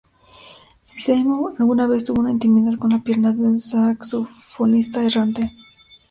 Seymour alguna vez tuvo una intimidad con la pierna de un saxofonista errante.